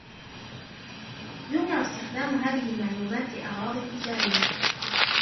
يمنع استخدام هذه المعلومات لأغراض تجارية.